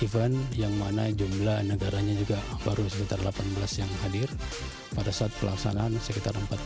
event yang mana jumlah negaranya juga baru sekitar delapan belas yang hadir pada saat pelaksanaan sekitar empat puluh